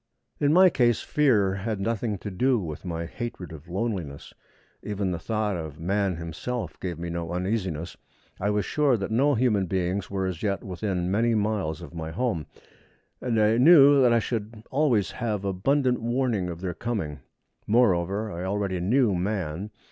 In my case fear had nothing to do with my hatred of loneliness. Even the thought of man himself gave me no uneasiness. I was sure that no human beings were as yet within many miles of my home, and I knew that I should always have abundant warning of their coming. Moreover, I already knew man.